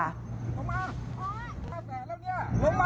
ลงมา